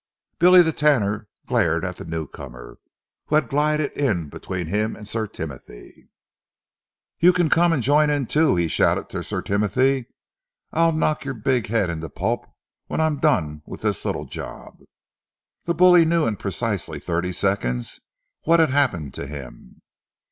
Billy the Tanner glared at the newcomer, who had glided in between him and Sir Timothy. "You can come and join in, too," he shouted to Sir Timothy. "I'll knock your big head into pulp when I've done with this little job!" The bully knew in precisely thirty seconds what had happened to him.